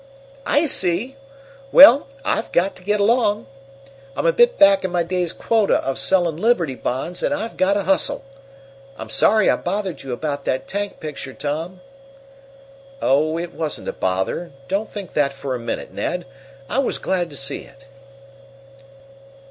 "I see! Well, I've got to get along. I'm a bit back in my day's quota of selling Liberty Bonds, and I've got to hustle. I'm sorry I bothered you about that tank picture, Tom." "Oh, it wasn't a bother don't think that for a minute, Ned! I was glad to see it."